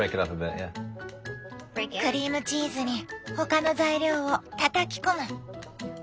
クリームチーズに他の材料をたたき込む！